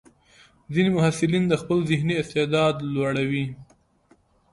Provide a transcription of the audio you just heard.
ځینې محصلین د خپل ذهني استعداد لوړوي.